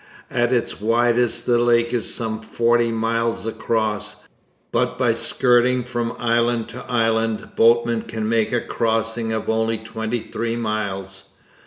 At its widest the lake is some forty miles across, but by skirting from island to island boatmen could make a crossing of only twenty three miles.